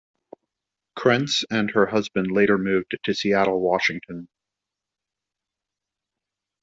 Krentz and her husband later moved to Seattle, Washington.